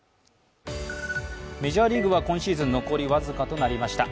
メジャーリーグは今シーズン残り僅かとなりました。